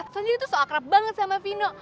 soalnya itu tuh sok akrab banget sama vino